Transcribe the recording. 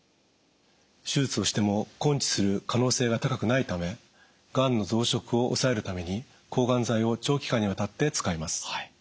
手術をしても根治する可能性が高くないためがんの増殖を抑えるために抗がん剤を長期間にわたって使います。